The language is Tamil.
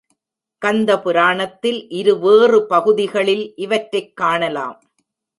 கந்தபுராணத்தில் இருவேறு பகுதிகளில் இவற்றைக் காணலாம்.